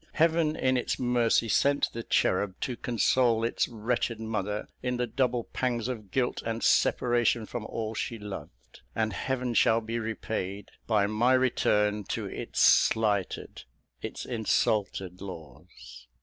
Heaven, in its mercy, sent the cherub to console its wretched mother in the double pangs of guilt and separation from all she loved; and Heaven shall be repaid, by my return to its slighted, its insulted laws.